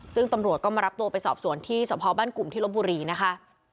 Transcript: ซึ่งตำรวจก็มารับตัวไปสอบสวนที่สพบ้านกลุ่มที่ลบบุรีนะคะ